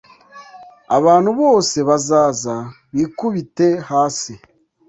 abantu bose bazaza bikubite hasi